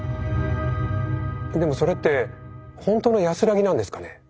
でもそれって本当の安らぎなんですかね？